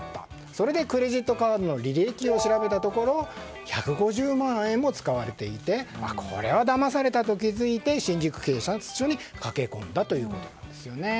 それでクレジットカードの履歴を調べたところ１５０万円も使われていてこれはだまされたと気づいて新宿警察署に駆け込んだということなんですね。